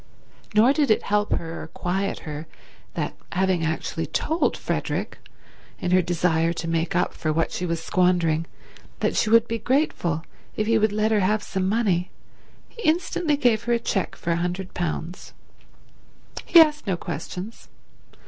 Nor did it help her or quiet her that, having actually told Frederick, in her desire to make up for what she was squandering, that she would be grateful if he would let her have some money, he instantly gave her a cheque for £100. He asked no questions.